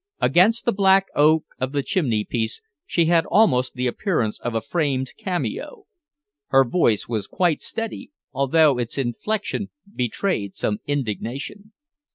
Against the black oak of the chimneypiece she had almost the appearance of a framed cameo. Her voice was quite steady, although its inflection betrayed some indignation.